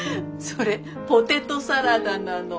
それポテトサラダなの。